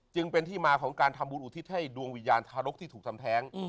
จึงเป็นที่มาของการทำบุญอุทิศให้ดวงวิญญาณทารกที่ถูกทำแท้ง